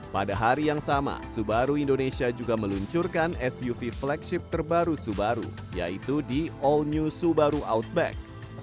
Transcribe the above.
pada hari yang sama subaru indonesia juga meluncurkan suv flagship terbaru subaru yaitu di all new subaru outback